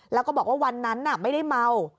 แล้วก็บอกว่าวันนั้นไม่ได้เมา